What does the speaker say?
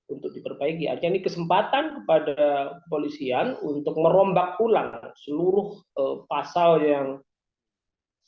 untuk diperbaiki kesempatan kepada polisian untuk merombak ulang seluruh pasal yang saat ini terhadap